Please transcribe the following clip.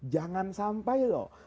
jangan sampai loh